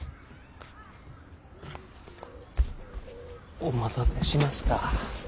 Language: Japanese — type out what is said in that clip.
お待たせしました。